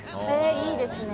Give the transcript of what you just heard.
いいですね。